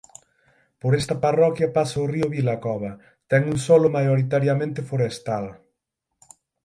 Por esta parroquia pasa o río Vilacova.Ten un solo maioritariamente forestal.